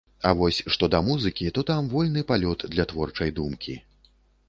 А вось што да музыкі, то там вольны палёт для творчай думкі.